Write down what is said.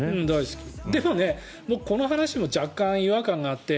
でも、僕この話も若干違和感があって。